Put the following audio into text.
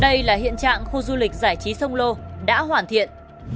đây là hiện trạng khu du lịch giải trí sông lô đã hoàn thiện